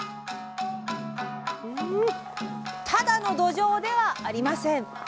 ただのどじょうではありません。